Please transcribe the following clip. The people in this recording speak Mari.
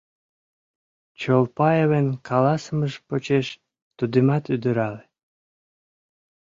Чолпаевын каласымыж почеш тудымат удырале.